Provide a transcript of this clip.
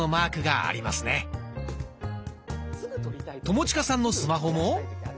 友近さんのスマホも。